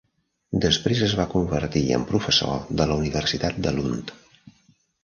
Després es va convertir en professor de la Universitat de Lund.